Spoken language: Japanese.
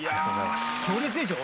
強烈でしょ。